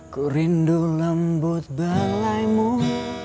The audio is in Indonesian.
kuroinduh lembut balaimun